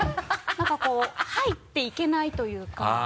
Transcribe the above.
何かこう入っていけないというか。